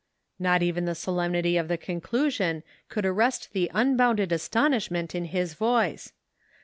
Not even the solemnity of the conclusion could arrest the unbounded astonishment in his voice.